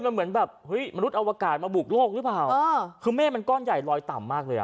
มันเหมือนแบบเฮ้ยมนุษย์อวกาศมาบุกโลกหรือเปล่าคือเมฆมันก้อนใหญ่ลอยต่ำมากเลยอ่ะ